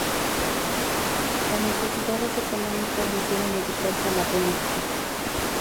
Las necesidades económicas le hicieron dedicarse a la política.